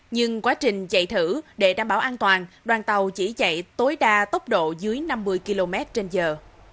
nhưng quá trình chạy thử để đảm bảo an toàn đoàn tàu chỉ chạy tối đa tốc độ dưới năm mươi km trên giờ